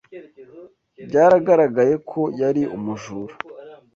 Byaragaragaye ko yari umujura.